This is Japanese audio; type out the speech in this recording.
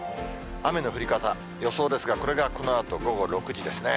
雨の降り方、予想ですが、これがこのあと午後６時ですね。